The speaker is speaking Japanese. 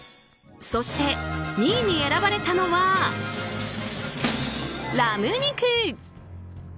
そして、２位に選ばれたのはラム肉。